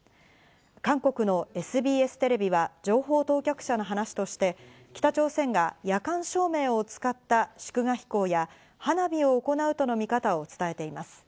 韓国のＳＢＳテレビは情報当局者の話として北朝鮮が夜間照明を使った祝賀飛行や花火を行うとの見方を伝えています。